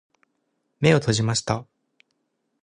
目を閉じました。